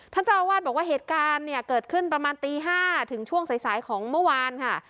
เจ้าอาวาสบอกว่าเหตุการณ์เนี่ยเกิดขึ้นประมาณตี๕ถึงช่วงสายของเมื่อวานค่ะ